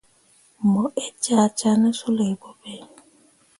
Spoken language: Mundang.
Mu ee cah cah ne suley boɓe.